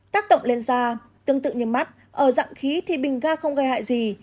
tác động lên da tương tự như mắt ở dạng khí thì bình ga không gây hại gì